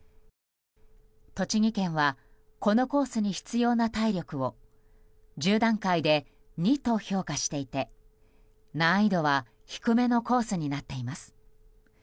栃木県はこのコースに必要な体力を１０段階で２と評価していて難易度は低めのコースになっています。